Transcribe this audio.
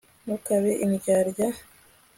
ntukabe indyarya